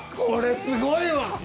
これ、すごいわ。